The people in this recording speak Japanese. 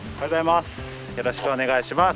よろしくお願いします。